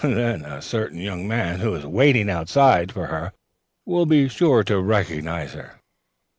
Then a certain young man who is waiting outside for her will be sure to recognize her.